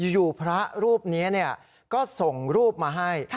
อยู่พระรูปนี้ก็ส่งรูปมาให้